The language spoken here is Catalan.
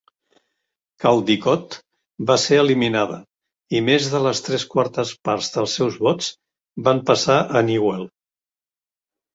Caldicott va ser eliminada, i més de les tres quartes parts dels seus vots van passar a Newell.